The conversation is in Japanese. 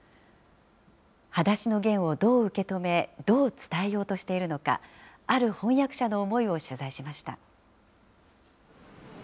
はだしのゲンをどう受け止め、どう伝えようとしているのか、ある翻訳者の思いを取材しました。